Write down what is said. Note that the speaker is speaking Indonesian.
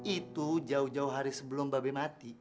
itu jauh jauh hari sebelum babe mati